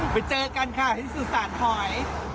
ไปเจอกันค่ะที่สุสานหอย